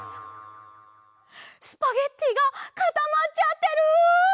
スパゲッティがかたまっちゃってる！